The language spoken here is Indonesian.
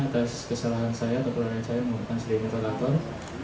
atas kesalahan saya atau peran saya menggunakan sirine relator